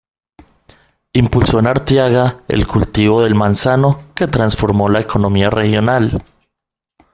Impulsó en Arteaga el cultivo del manzano que transformó la economía regional.